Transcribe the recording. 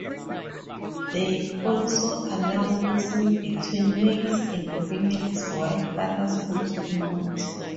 They also allow mixing between males and females while other schools do not.